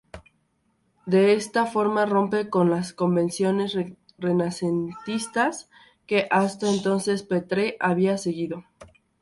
De esta forma rompe con las convenciones renacentistas que hasta entonces Petre había seguido.